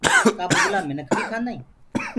ڪآ بُگلآ منک بي کآندآ هين؟